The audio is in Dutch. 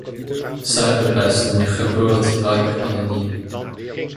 Cyberpesten gebeurt vaak anoniem.